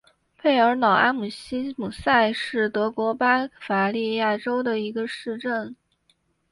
贝尔瑙阿姆希姆塞是德国巴伐利亚州的一个市镇。